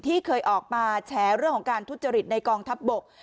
ที่เคยออกมาแฉเรื่องของการทุจริตในกองทัพบก